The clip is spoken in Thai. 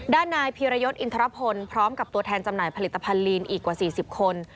ด้านนายพีรยศอินทรพลพร้อมกับตัวแทนจำหน่ายผลิตภัณฑลีนอีกกว่า๔๐คน